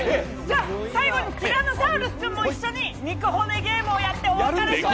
最後にティラノサウルス君も一緒に肉骨ゲームをやりましょう。